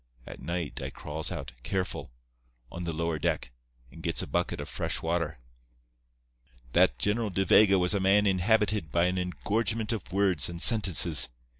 At night I crawls out, careful, on the lower deck, and gets a bucket of fresh water. "That General De Vega was a man inhabited by an engorgement of words and sentences.